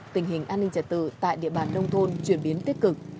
tình hình an ninh trật tự tại địa bàn nông thôn chuyển biến tích cực